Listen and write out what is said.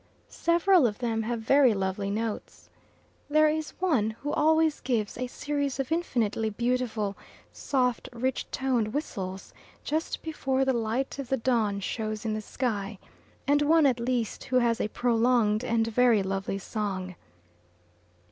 Several of them have very lovely notes. There is one who always gives a series of infinitely beautiful, soft, rich toned whistles just before the first light of the dawn shows in the sky, and one at least who has a prolonged and very lovely song.